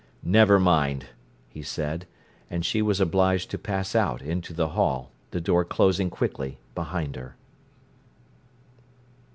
"Never mind!" he said, and she was obliged to pass out into the hall, the door closing quickly behind her.